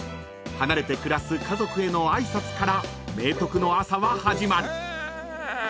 ［離れて暮らす家族への挨拶から明徳の朝は始まる］